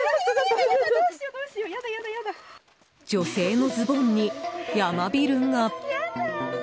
女性のズボンにヤマビルが。